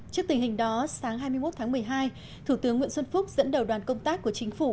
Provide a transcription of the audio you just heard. trước tình hình đó sáng hai mươi một tháng một mươi hai thủ tướng nguyễn xuân phúc dẫn đầu đoàn công tác của chính phủ